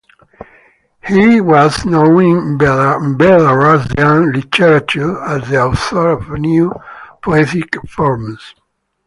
He was known in Belarusian literature as the author of new poetic forms.